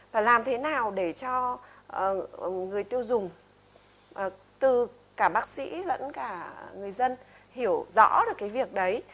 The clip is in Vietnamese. và làm thế nào để cho người tiêu dùng từ cả bác sĩ lẫn cả người dân hiểu rõ được cái việc đấy